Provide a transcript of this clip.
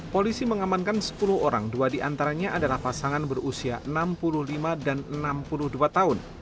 polisi mengamankan sepuluh orang dua diantaranya adalah pasangan berusia enam puluh lima dan enam puluh dua tahun